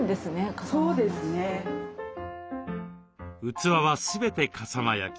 器は全て笠間焼。